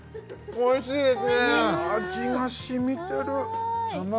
おいしいです